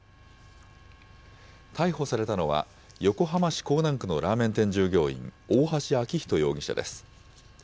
逮捕されたのは、横浜市港南区のラーメン店従業員、大橋昭仁容疑者です。